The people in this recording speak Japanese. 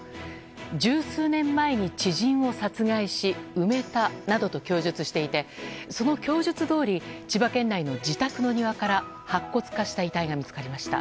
十数年前に知人を殺害し埋めたなどと供述していてその供述どおり千葉県内の自宅の庭から白骨化した遺体が見つかりました。